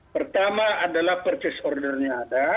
pertama adalah purchase ordernya ada